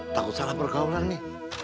takut salah bergaulan mi